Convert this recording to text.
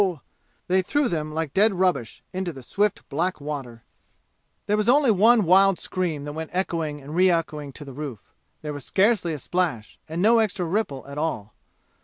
they threw them like dead rubbish into the swift black water. There was only one wild scream that went echoing and re echoing to the roof. There was scarcely a splash, and no extra ripple at all.